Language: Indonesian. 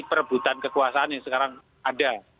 perebutan kekuasaan yang sekarang ada